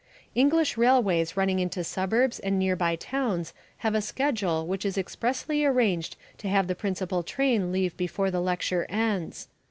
English railways running into suburbs and near by towns have a schedule which is expressly arranged to have the principal train leave before the lecture ends.